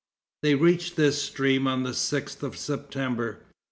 They reached this stream on the 6th of September.